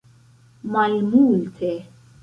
malmulte